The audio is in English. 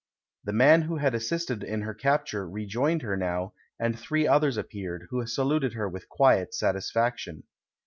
The man who had assisted in her capture rejoined her now, and three others appeared, who saluted her with quiet satisfaction.